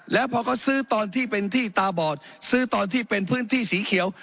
แล้วพอเขาซื้อตอนที่เป็นที่ตาบอดซื้อตอนที่เป็นพื้นที่สีเขียว